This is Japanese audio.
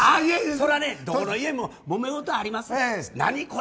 それはね、どこの家ももめごとがありますから。